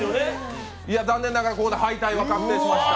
残念ながら、ここで敗退が決まりました。